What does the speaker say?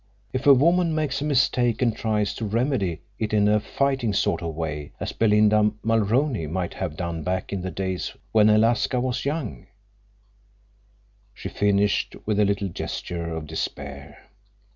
If a woman makes a mistake and tries to remedy it in a fighting sort of way, as Belinda Mulrooney might have done back in the days when Alaska was young—" She finished with a little gesture of despair.